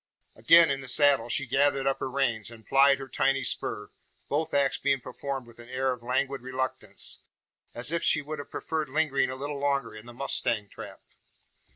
Again in the saddle, she gathered up her reins, and plied her tiny spur both acts being performed with an air of languid reluctance, as if she would have preferred lingering a little longer in the "mustang trap."